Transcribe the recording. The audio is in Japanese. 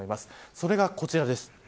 それがこちらです。